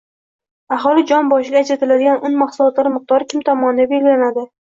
Aholi jon boshiga ajratiladigan un mahsulotlari miqdori kim tomonidan belgilanadi